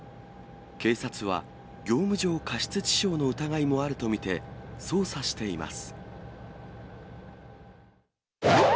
警察は、業務上過失致傷の疑いもあると見て、捜査しています。